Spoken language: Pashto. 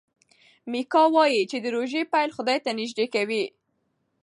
میکا وايي چې د روژې پیل خدای ته نژدې کوي.